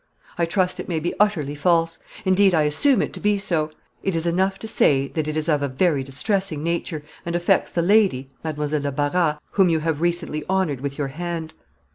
I trust it may be utterly false. Indeed I assume it to be so. It is enough to say that it is of a very distressing nature, and affects the lady (Mademoiselle de Barras) whom you have recently honored with your hand."